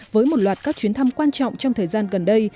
với một loạt các chuyến thăm quan trọng trong thời gian gần đây